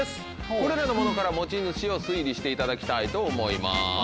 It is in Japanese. これらのものから持ち主を推理していただきたいと思います。